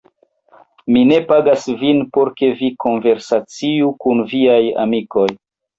Mi ne pagas vin, por ke vi konversaciu kun viaj amikoj.